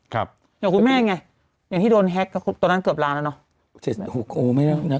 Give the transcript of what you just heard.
ครับกรรมแม่ไงอย่างที่โดนแฮ็คตอนนั้นเกือบลาแล้วเนาะ